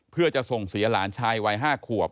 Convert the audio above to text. เพื่อจะส่งเสียหลานชายวัย๕ขวบ